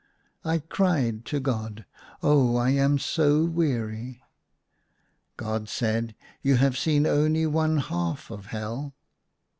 I cried to God, " Oh, I am so weary." God said, " You have seen only one half of Hell."